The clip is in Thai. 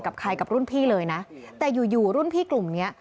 กับใครกับรุ่นพี่เลยนะแต่อยู่อยู่รุ่นพี่กลุ่มเนี้ย